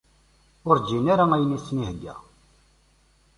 Ur ṛǧin ara ayen i sen-ihegga.